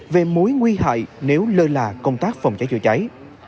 về mối nguy hại nếu lơ là công tác phòng cháy chữa cháy